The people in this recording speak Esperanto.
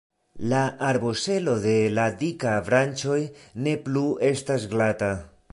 La arboŝelo de la dikaj branĉoj ne plu estas glata.